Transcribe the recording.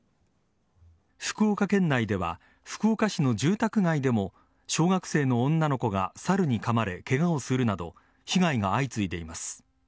福岡県内では福岡市の住宅街でも小学生の女の子がサルにかまれケガをするなど被害が相次いでいます。